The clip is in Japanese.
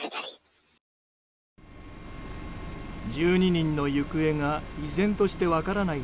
１２人の行方が依然として分からない